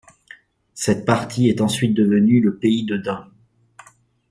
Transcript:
Cette partie est ensuite devenue le Pays de Dun.